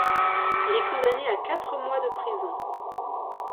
Il est condamné à quatre mois de prison.